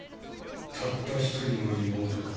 たった一人の妹だ。